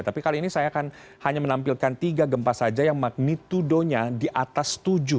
tapi kali ini saya akan hanya menampilkan tiga gempa saja yang magnitudonya di atas tujuh